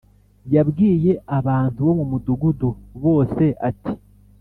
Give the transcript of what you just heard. Yabwiye abantu bo mu mudugudu bose ati